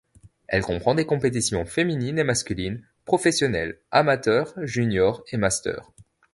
Elle comprend des compétitions féminines et masculines, professionnelles, amateurs, juniors et masters.